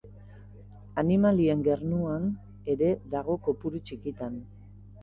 Animalien gernuan ere dago kopuru txikitan.